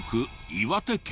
岩手県。